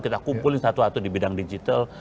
kita kumpulin satu satu di bidang digital